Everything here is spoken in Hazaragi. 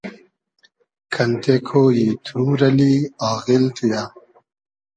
کئنتې کۉیی توور اللی آغیل تو یہ